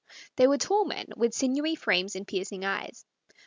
They were tall men, with sinewy frames and piercing eyes.